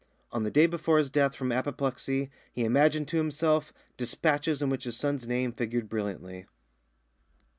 On the day before his death from apoplexy he imagined to himself despatches in which his son's name figured brilliantly.